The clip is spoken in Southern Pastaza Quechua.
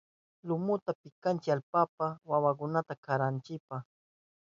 Lumuta pikanchi atallpa wawakunata karananchipa.